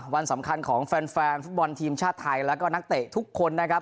วันสำคัญของแฟนฟุตบอลทีมชาติไทยแล้วก็นักเตะทุกคนนะครับ